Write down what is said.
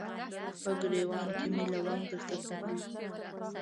په ګریوان کې مې لونګ درته کرلي